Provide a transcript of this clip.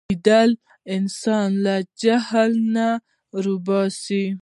لیدل انسان له جهل نه را باسي